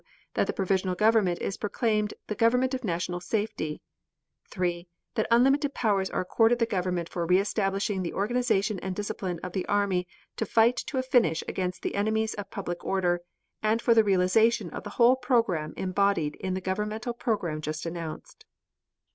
That the Provisional Government is proclaimed the Government of National Safety. 3. That unlimited powers are accorded the government for re establishing the organization and discipline of the army for a fight to a finish against the enemies of public order, and for the realization of the whole program embodied in the governmental program just announced.